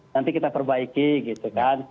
nanti kita perbaiki gitu kan